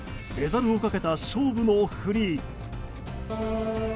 メダルをかけた勝負のフリー。